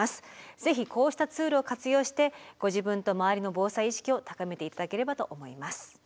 ぜひこうしたツールを活用してご自分と周りの防災意識を高めて頂ければと思います。